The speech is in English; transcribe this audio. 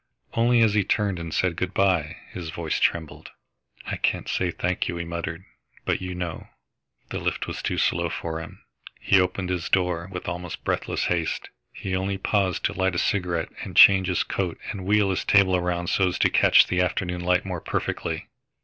Only, as he turned and said good by, his voice trembled. "I can't say thank you," he muttered, "but you know!"... The lift was too slow for him. He opened his door with almost breathless haste. He only paused to light a cigarette and change his coat and wheel his table round so as to catch the afternoon light more perfectly.